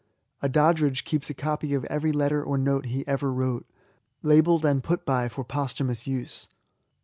A Doddridge keeps a copy of every letter or note he ever wrote^ labelled and put by for posthumous use.